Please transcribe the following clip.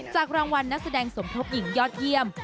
รางวัลนักแสดงสมทบหญิงยอดเยี่ยม